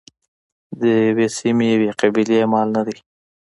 د یوې سیمې یوې قبیلې مال نه دی.